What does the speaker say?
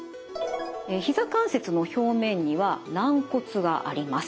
ひざ関節の表面には軟骨があります。